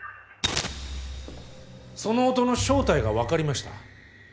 その音の正体が分かりました。